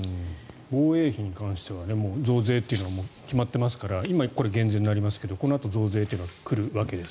防衛費に関しては増税と決まっていますから今これは減税になりますけどこのあと増税は来るわけです。